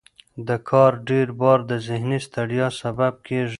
د کار ډیر بار د ذهني ستړیا سبب کېږي.